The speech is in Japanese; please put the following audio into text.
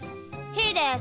ひーです。